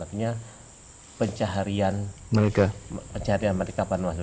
artinya pencaharian mereka